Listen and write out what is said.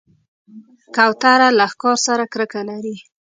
کوتره له ښکار سره کرکه لري.